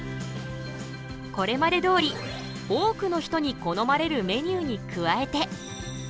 これまでどおり多くの人に好まれるメニューに加えて。